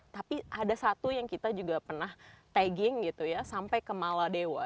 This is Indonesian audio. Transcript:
tapi ada satu yang kita juga pernah tagging gitu ya sampai ke maladewa